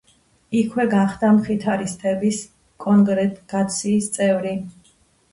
იქვე გახდა მხითარისტების კონგრეგაციის წევრი.